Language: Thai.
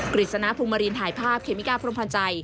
กริจสนาภูมิมารีนถ่ายภาพเคมิกาพรมพลันใจ